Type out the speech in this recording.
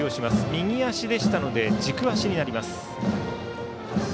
右足なので軸足になります。